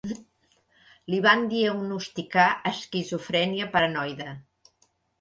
Li van diagnosticar esquizofrènia paranoide.